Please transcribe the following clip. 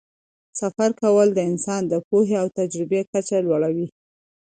د سفر کول د انسان د پوهې او تجربې کچه لوړوي.